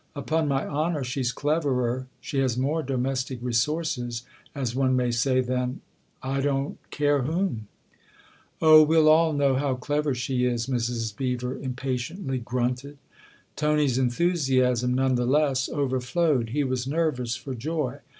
" Upon my honour she's cleverer, she has more domestic resources, as one may say, than I don't care whom !"" Oh, we all know how clever she is !" Mrs. Beever impatiently grunted. Tony's enthusiasm, none the less, overflowed ; he was nervous for joy.